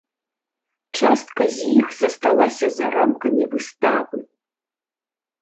Частка з іх засталася за рамкамі выставы.